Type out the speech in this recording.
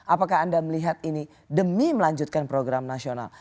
apakah anda melihat ini demi melanjutkan program nasional